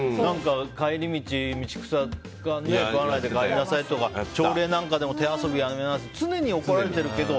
帰り道、道草食わないで帰りなさいとか朝礼なんかでも手遊びやめなさいとか常に怒られてるけど